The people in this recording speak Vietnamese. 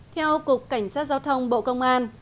theo cục cảnh sát giao thông bộ công an